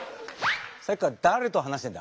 さっきから誰と話してんだ。